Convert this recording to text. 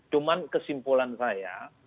cuman kesimpulan saya